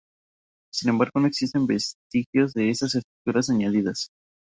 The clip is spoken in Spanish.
Sin embargo no existen vestigios de esas estructuras añadidas.